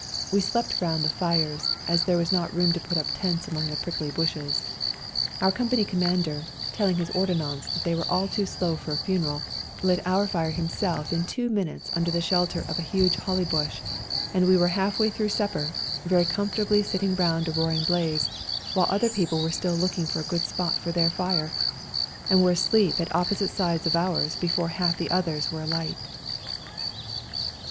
We slept round the fires, as there was not room to put up tents among the prickly bushes. Our company Commander, tell ing his ordonnance that they were all too slow for a funeral, lit our fire himself in two minutes under the shelter of a huge ELBASAN 165 holly bush, and we were half way through supper, very comfortably sitting round a roaring blaze, while other people were still looking for a good spot for their fire, and were asleep at opposite sides of ours before half the others were well alight.